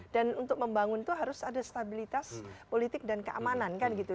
dan untuk membangun itu harus ada stabilitas politik dan keamanan kan gitu